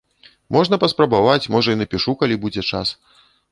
Можна паспрабаваць, можа, і напішу, калі будзе час.